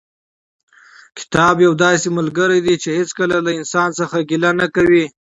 کتاب یو داسې رفیق دی چې هېڅکله له انسان څخه ګیله نه کوي.